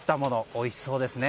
おいしそうですね。